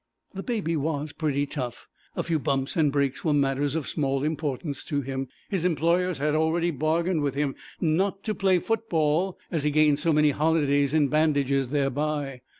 The Baby was pretty tough; a few bumps and breaks were matters of small importance to him; his employers had already bargained with him not to play football as he gained so many holidays in bandages thereby.